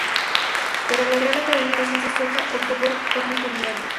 Pero la Real Academia de Ciencias Sueca optó por otros candidatos.